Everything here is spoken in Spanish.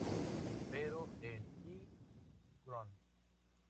Pero en I Chron.